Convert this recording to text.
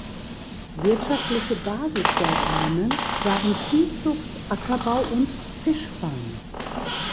Wirtschaftliche Basis der Ranen waren Viehzucht, Ackerbau und Fischfang.